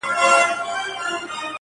• څو؛ د ژوند په دې زوال کي کړې بدل.